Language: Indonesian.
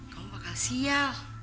kamu bakal sial